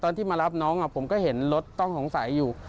ที่มารับน้องผมก็เห็นรถต้องสงสัยอยู่